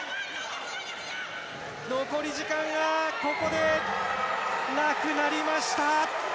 残り時間がここでなくなりました。